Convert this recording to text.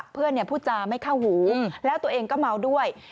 เพื่อนผู้จามไม่เข้าหูและตัวเองมัวด้วย